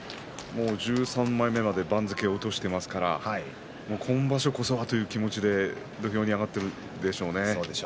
１３枚目まで番付を落としていますから今場所こそはという気持ちで土俵に上がっているでしょうね。